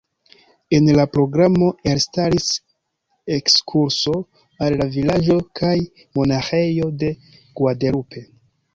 En la programo elstaris ekskurso al la vilaĝo kaj monaĥejo de Guadalupe.